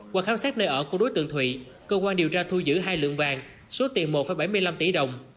qua khám xét nơi ở của đối tượng thụy cơ quan điều tra thu giữ hai lượng vàng số tiền một bảy mươi năm tỷ đồng